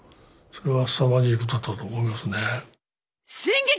それはすさまじいことだったと思いますね。